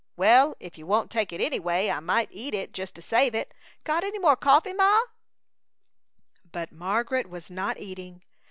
Well, if you won't take it anyway, I might eat it just to save it. Got any more coffee, Ma?" But Margaret was not eating.